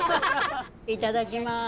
いただきます。